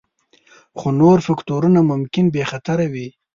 خو نور فکتورونه ممکن بې خطره وي